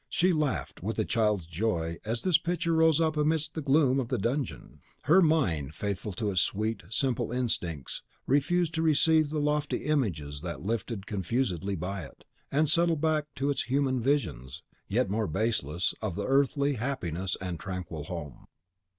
She laughed, with a child's joy, as this picture rose up amidst the gloom of the dungeon. Her mind, faithful to its sweet, simple instincts, refused to receive the lofty images that flitted confusedly by it, and settled back to its human visions, yet more baseless, of the earthly happiness and the tranquil home.